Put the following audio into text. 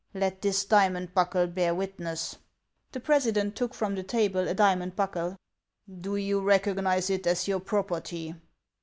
Let this diamond buckle bear witness." The president took from the table a diamond buckle. •' Do you recognize it as your property